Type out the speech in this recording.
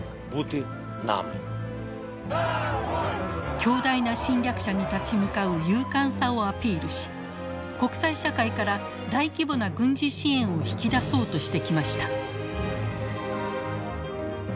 強大な侵略者に立ち向かう勇敢さをアピールし国際社会から大規模な軍事支援を引き出そうとしてきました。